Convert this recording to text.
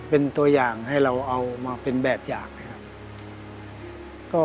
เป็นตัวอย่างให้เราเอามาเป็นแบบอย่างนะครับ